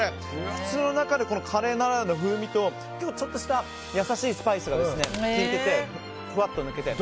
口の中でカレーならではの風味とちょっとした優しいスパイスが効いててふわっと抜けて。